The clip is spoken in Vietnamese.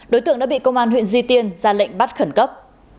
đối tượng đã bị công an huyện duy tiên ra lệnh bắt khẩn cấp